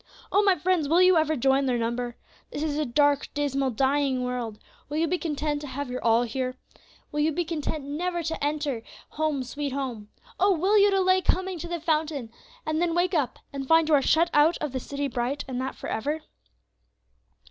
"Oh! my friends, will you ever join their number? This is a dark, dismal, dying world; will you be content to have your all here? Will you be content never to enter 'Home, sweet Home'? Oh! will you delay coming to the fountain, and then wake up, and find you are shut out of the city bright, and that for ever?